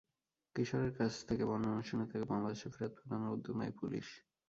কিশোরের কাছ থেকে বর্ণনা শুনে তাকে বাংলাদেশে ফেরত পাঠানোর উদ্যোগ নেয় পুলিশ।